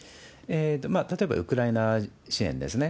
例えばウクライナ支援ですね。